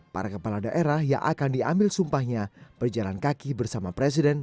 para kepala daerah yang akan diambil sumpahnya berjalan kaki bersama presiden